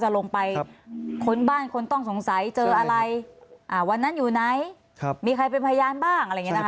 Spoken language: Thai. ลงไปค้นบ้านคนต้องสงสัยเจออะไรวันนั้นอยู่ไหนมีใครเป็นพยานบ้างอะไรอย่างนี้นะคะ